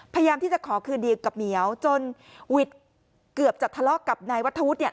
พยายามที่จะขอคืนดีกับเหมียวจนวิทย์เกือบจะทะเลาะกับนายวัฒวุฒิเนี่ย